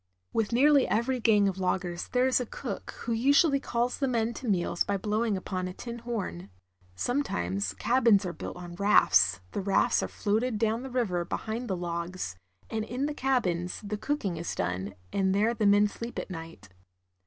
With nearly e\'ery gang of loggers there is a cook, who usually calls the men to meals by blowing upon a tin horn. Sometimes cabins are built on rafts, the rafts are floated down the river behind the logs, and in the cabins the cook ing is done, and there the men sleep at night.